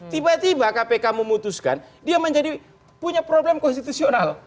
tiba tiba kpk memutuskan dia menjadi punya problem konstitusional